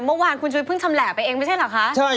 เมื่อวานคุณชุวิตเพิ่งชำแหละไปเองไม่ใช่เหรอคะ